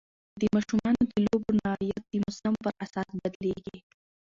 د ماشومانو د لوبو نوعیت د موسم پر اساس بدلېږي.